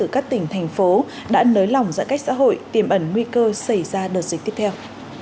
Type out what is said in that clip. các tỉnh thành phố đã nới lỏng giãn cách xã hội tiềm ẩn nguy cơ xảy ra đợt dịch tiếp theo